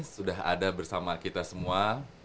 sudah ada bersama kita semua